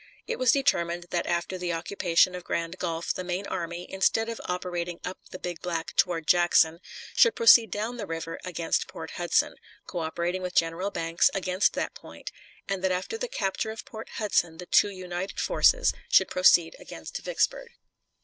It was determined that after the occupation of Grand Gulf the main army, instead of operating up the Big Black toward Jackson, should proceed down the river against Port Hudson, co operating with General Banks against that point, and that after the capture of Port Hudson the two united forces should proceed against Vicksburg.